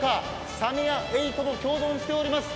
サメやエイとも共存しています